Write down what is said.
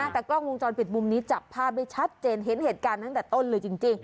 แต่กล้องวงจรปิดมุมนี้จับภาพได้ชัดเจนเห็นเหตุการณ์ตั้งแต่ต้นเลยจริง